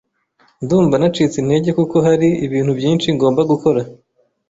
Ndumva nacitse intege kuko hari ibintu byinshi ngomba gukora.